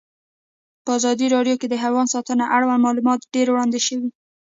په ازادي راډیو کې د حیوان ساتنه اړوند معلومات ډېر وړاندې شوي.